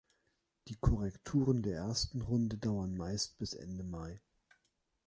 Die Korrekturen der ersten Runde dauern meist bis Ende Mai.